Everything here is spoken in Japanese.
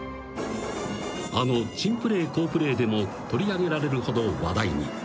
［あの『珍プレー好プレー』でも取り上げられるほど話題に］